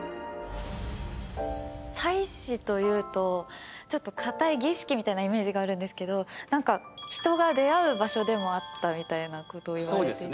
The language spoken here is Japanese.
祭祀というとちょっとかたい儀式みたいなイメージがあるんですけどなんか人が出会う場所でもあったみたいなことを言われていて。